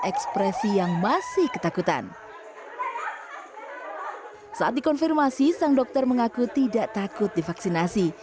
ekspresi yang masih ketakutan saat dikonfirmasi sang dokter mengaku tidak takut divaksinasi